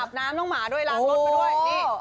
อาบน้ำน้องหมาด้วยล้างรถไปด้วย